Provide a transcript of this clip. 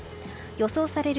予想される